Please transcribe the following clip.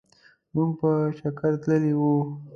مونږ په چکرتللي وو.